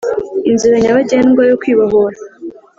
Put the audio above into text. inzira nyabagendwa yo kwibohora